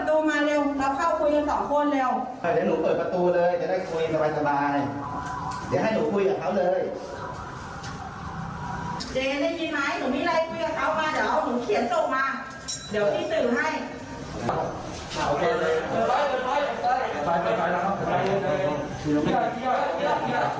ออกไปเดี๋ยวให้หนูคุยกับเขาเลยจริงไม๊หนูมีอะไรเข้ามาเดาหนูเขียนตกมาเดี๋ยว